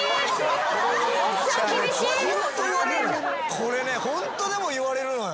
これねホントでも言われるのよ。